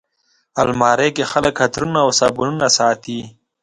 الماري کې خلک عطرونه او صابونونه ساتي